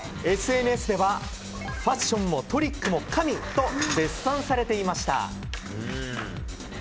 ＳＮＳではファッションもトリックも神と絶賛されていました。